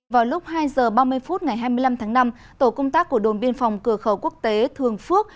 vào lúc hai h ba mươi phút ngày hai mươi năm tháng năm tổ công tác của đồn biên phòng cửa khẩu quốc tế thường phước